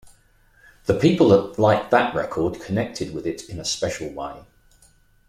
The people that liked that record connected with it in a special way.